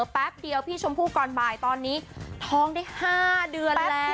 แป๊บเดียวพี่ชมพู่ก่อนบ่ายตอนนี้ท้องได้๕เดือนแล้ว